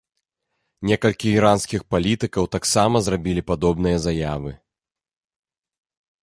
Некалькі іранскіх палітыкаў таксама зрабілі падобныя заявы.